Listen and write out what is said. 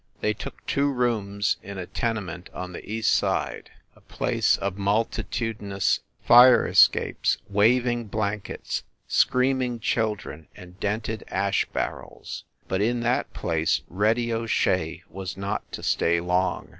They took two rooms in a tenement on the east side a place of multitudinous fire es 4 FIND THE WOMAN capes, waving blankets, screaming children and dented ash barrels. But in that place, "Reddy" O Shea was not to stay long.